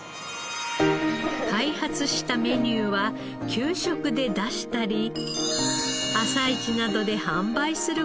開発したメニューは給食で出したり朝市などで販売する事を目指しています。